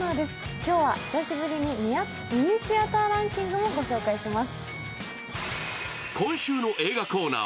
今日は久しぶりにミニシアターランキングも御紹介します。